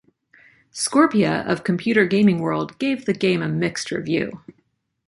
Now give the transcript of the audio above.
Scorpia of "Computer Gaming World" gave the game a mixed review.